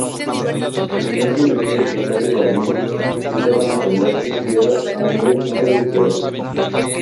La evidencia sugiere que tales barones deseaban arrendar sus tierras a hombres no desleales.